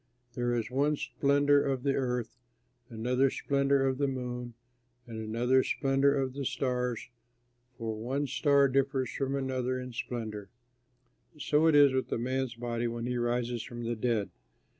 There is one splendor of the sun, another splendor of the moon, and another splendor of the stars; for one star differs from another in splendor. So it is with a man's body when he rises from the dead.